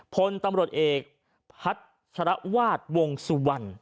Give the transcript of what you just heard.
พลตำรวจเอกพัชรวาสวงสุวรรณ